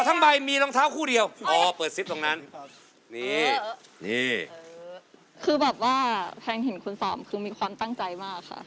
ของยะเสร็จเรียบร้อยมาดูอันนี้ของสาม